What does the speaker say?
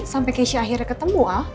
sampai keisha akhirnya ketemu ah